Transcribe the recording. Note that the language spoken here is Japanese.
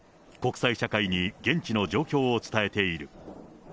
国際社会に現地の状況を伝えている。